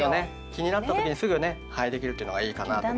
気になった時にすぐねできるっていうのがいいかなと思います。